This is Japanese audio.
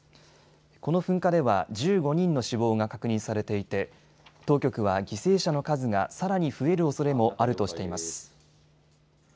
この噴火では１５人の死亡が確認されていて当局は犠牲者の数がさらに増えるおそれもあるとしています。